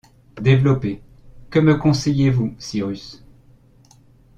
Développer. — Que me conseillez-vous, Cyrus?